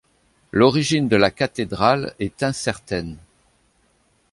L'origine de la cathédrale est incertaine.